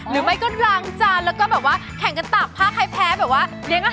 หรือไม่ก็รางจานแข่งกระต่าพากว่าใครแพ้เนี้ยก็หา